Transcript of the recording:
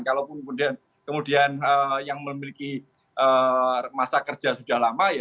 kalaupun kemudian yang memiliki masa kerja sudah lama